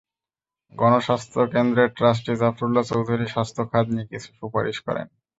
গণস্বাস্থ্য কেন্দ্রের ট্রাস্টি জাফরুল্লাহ চৌধুরী স্বাস্থ্য খাত নিয়ে কিছু সুপারিশ করেন।